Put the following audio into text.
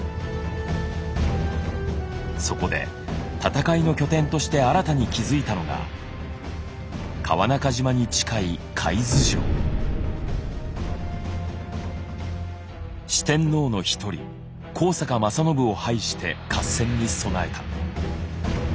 そこで戦いの拠点として新たに築いたのが川中島に近い四天王の一人高坂昌信を配して合戦に備えた。